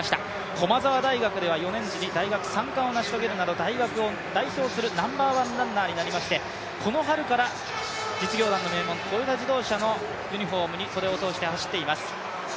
駒澤大学では４年次に大学を代表するナンバーワンランナーになりまして、この春から実業団の名門トヨタ自動車のユニフォームに袖を通して走っています。